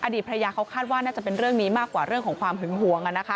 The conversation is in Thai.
ภรรยาเขาคาดว่าน่าจะเป็นเรื่องนี้มากกว่าเรื่องของความหึงหวง